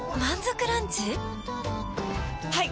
はい！